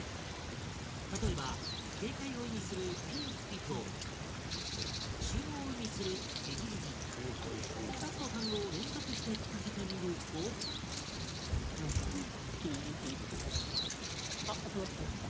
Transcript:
例えば警戒を意味する「ピーツピ」と集合を意味する「ヂヂヂヂ」ふたつの単語を連続して聞かせてみると「ギギギ」って鳴いたんですけどあっ